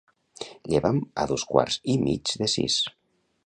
Lleva'm a dos quarts i mig de sis.